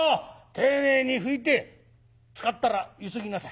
丁寧に拭いて使ったらゆすぎなさい。